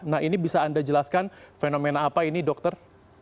nah ini bisa anda jelaskan fenomena apa ini dokter